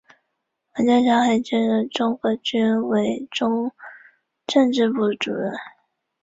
王稼祥还兼任中革军委总政治部主任。